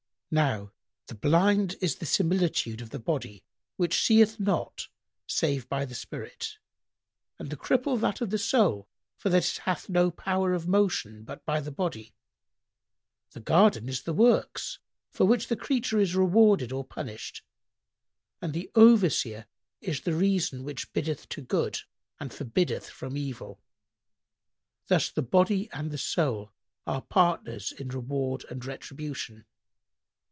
"Now the Blind is the similitude of the body which seeth not save by the spirit, and the Cripple that of the soul, for that it hath no power of motion but by the body; the garden is the works, for which the creature is rewarded or punished, and the Overseer is the reason which biddeth to good and forbiddeth from evil. Thus the body and the soul are partners in reward and retribution."